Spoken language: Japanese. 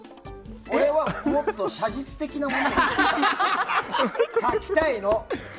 俺は、もっと写実的なものを描きたいの。